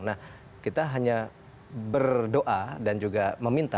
nah kita hanya berdoa dan juga meminta